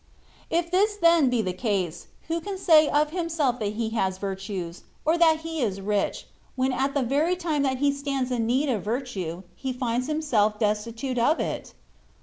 If this then be the case, who can say of himself that he has virtues, or that he is rich, when at the very time that he stands in need of virtue, he finds himself destitute of it